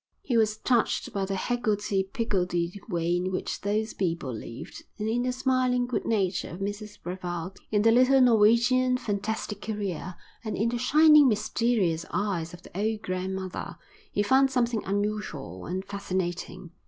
He was touched by the higgledy piggledy way in which those people lived; and in the smiling good nature of Mrs Brevald, in the little Norwegian's fantastic career, and in the shining mysterious eyes of the old grandmother, he found something unusual and fascinating.